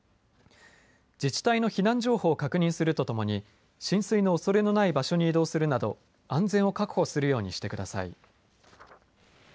自治体の避難情報を確認するとともに浸水のおそれのない場所に移動するなど安全を確保するようにしてください。